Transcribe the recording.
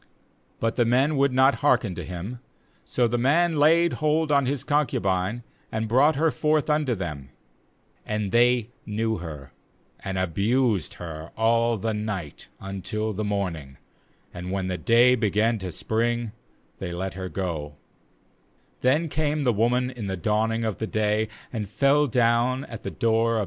25But the men would not hearken to him; so the man laid hold on his concubine, and brought her forth unto them; and they knew her, and abused her all the night until the morning; and when the day began to spring, they let her '"Then came the woman in the dawning of the day, and fell down at the door of the man's house where her lord was, till it was light.